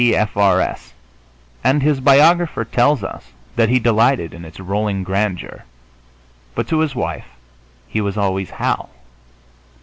D. Sc., F. R. S.," and his biographer tells us that he delighted in its rolling grandeur but to his wife he was always Hal.